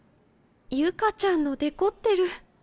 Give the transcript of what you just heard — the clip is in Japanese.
ユカちゃんのデコってる。